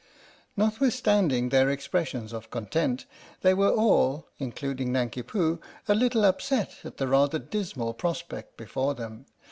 " Notwithstanding their expressions of content they were all, including Nanki Poo, a little upset at the rather dismal prospect before them.